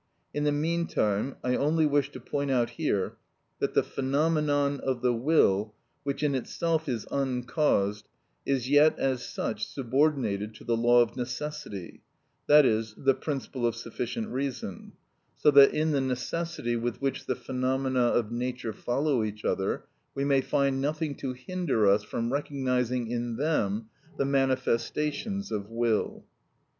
In the meantime, I only wish to point out here that the phenomenon of the will which in itself is uncaused, is yet as such subordinated to the law of necessity, that is, the principle of sufficient reason, so that in the necessity with which the phenomena of nature follow each other, we may find nothing to hinder us from recognising in them the manifestations of will.